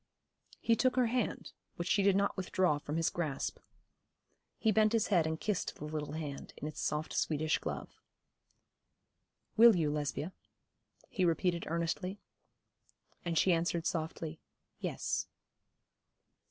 He took her hand, which she did not withdraw from his grasp. He bent his head and kissed the little hand in its soft Swedish glove. 'Will you, Lesbia?' he repeated earnestly; and she answered softly, 'Yes.'